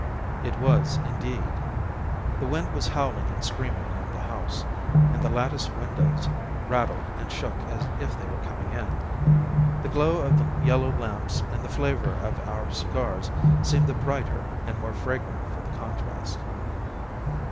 It was, indeed. The wind was howling and screaming round the house, and the latticed windows rattled and shook as if they were coming in. The glow of the yellow lamps and the flavour of our cigars seemed the brighter and more fragrant for the contrast.